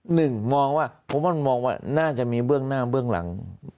หนึ่งมองว่าผมว่ามันมองว่าน่าจะมีเบื้องหน้าเบื้องหลัง